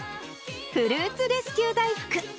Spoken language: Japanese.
フルーツレスキュー大福。